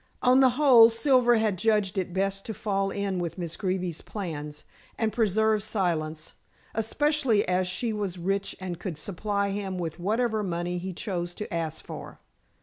On the whole, Silver had judged it best to fall in with Miss Greeby's plans, and preserve silence, especially as she was rich and could supply him with whatever money he chose to ask for.